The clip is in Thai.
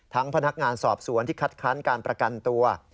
พนักงานสอบสวนที่คัดค้านการประกันตัว